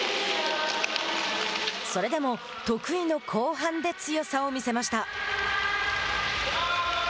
それでも、得意の後半で強さを見せました。